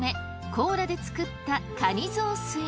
甲羅で作ったかに雑炊。